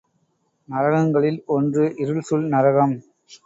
நரகங்களில் ஒன்று இருள்சூழ் நரகம்.